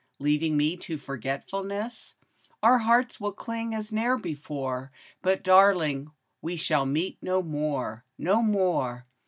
Leaving me to forgetfulness, — Our hearts will cling as ne'er before, But, darling, we shall meet no more, No more